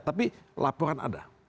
tapi laporan ada